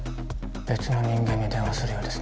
別の人間に電話するようですね。